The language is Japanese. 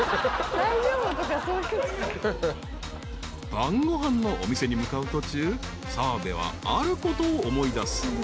［晩ご飯のお店に向かう途中澤部はあることを思い出す］